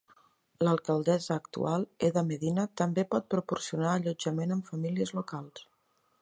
L'alcaldessa actual, Eda Medina, també pot proporcionar allotjament amb famílies locals.